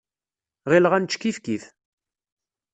Ɣileɣ ad nečč kifkif.